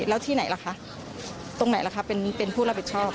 แล้วที่ไหนล่ะคะตรงไหนล่ะคะเป็นผู้รับผิดชอบ